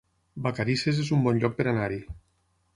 Vacarisses es un bon lloc per anar-hi